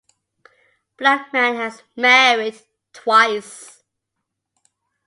Blackman has married twice.